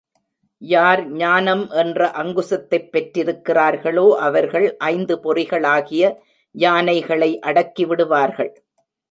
யார் ஞானம் என்ற அங்குசத்தைப் பெற்றிருக்கிறார்களோ அவர்கள் ஐந்து பொறிகளாகிய யானைகளை அடக்கி விடுவார்கள்.